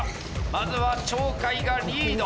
まずは鳥海がリード！